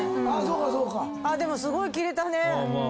でもすごい消えたね。